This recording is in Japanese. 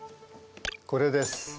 これです。